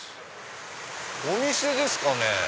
お店ですかね？